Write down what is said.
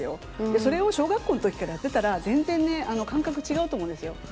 それを小学校のときからやってたら、全然ね、感覚違うと思うんで本当